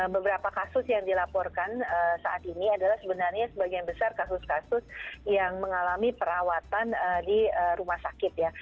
beberapa kasus yang dilaporkan saat ini adalah sebenarnya sebagian besar kasus kasus yang mengalami perawatan di rumah sakit ya